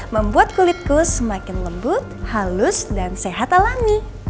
membuat kulitku semakin lembut halus dan sehat alami